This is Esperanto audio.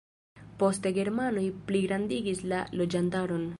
Poste germanoj pligrandigis la loĝantaron.